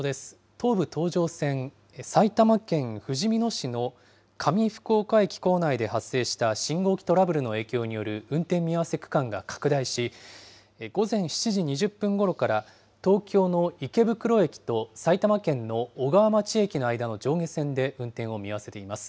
東武東上線、埼玉県ふじみ野市のかみふくおか駅構内で発生した信号機トラブルの影響による運転見合わせ区間が拡大し、午前７時２０分ごろから東京の池袋駅と埼玉県の小川町駅の間の上下線で運転を見合わせています。